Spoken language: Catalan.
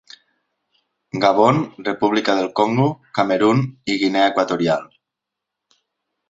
Gabon, República del Congo, Camerun i Guinea Equatorial.